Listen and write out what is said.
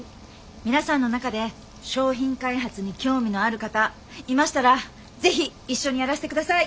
皆さんの中で商品開発に興味のある方いましたら是非一緒にやらしてください！